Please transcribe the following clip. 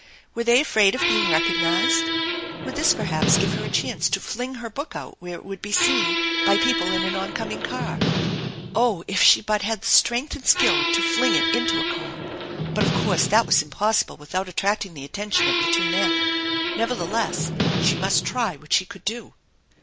Were they afraid of being recognized? Would this perhaps give her a chance to fling her book out where it would be seen by people in an oncoming car ? Oh, if she but had the strength and skill to fling it into a car. But of course that was impossible without attracting the attention of the two men. Nevertheless, she must try what she could do.